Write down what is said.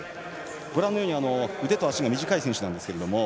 ご覧のように腕と足が短い選手なんですが。